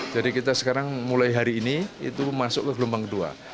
jadi kita sekarang mulai hari ini itu masuk ke gelombang kedua